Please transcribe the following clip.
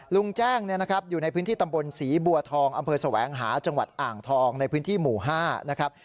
ลุงแจ้งอยู่ในพื้นที่ตำบลศรีบัวทองอำเภอแสวงหาจังหวัดอ่างทองในพื้นที่หมู่๕นะครับ